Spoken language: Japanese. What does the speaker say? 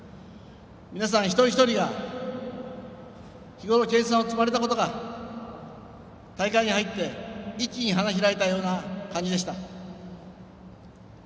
皆さん一人一人が日ごろ研さんを積まれたことが大会に入って一気に花が開いたような感じでした。